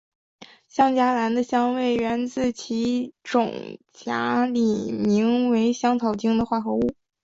香荚兰的香味源自其种荚里名为香草精的化合物。